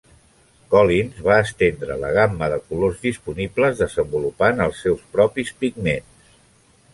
Collins va estendre la gamma de colors disponibles desenvolupant els seus propis pigments.